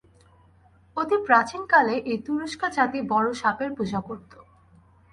অতি প্রাচীনকালে এই তুরস্ক জাতি বড় সাপের পূজা করত।